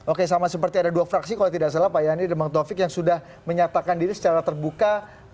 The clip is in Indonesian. oke sama seperti ada dua fraksi kalau tidak salah pak yandri dan bang taufik yang sudah menyatakan diri secara terbuka